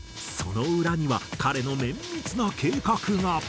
その裏には彼の綿密な計画が。